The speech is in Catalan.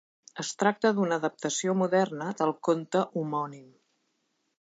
Es tracta d'una adaptació moderna del conte homònim.